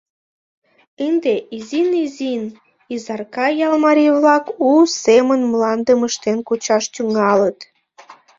Ынде изин-изин Изарка ял марий-влак у семын мландым ыштен-кучаш тӱҥалыт.